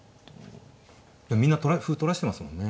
いやみんな歩取らしてますもんね。